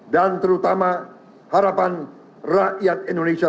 dan terutama harapan rakyat indonesia